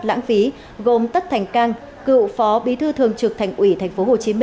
lãng phí gồm tất thành cang cựu phó bí thư thường trực thành ủy tp hcm